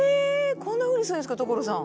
こんなふうにするんですか所さん。